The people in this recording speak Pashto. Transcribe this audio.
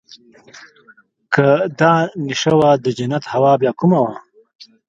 که دا نېشه وه د جنت هوا بيا کومه وه.